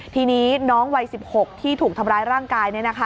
ทีนี้น้องวัย๑๖ที่ถูกทำร้ายร่างกาย